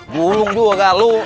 gulung juga gak lu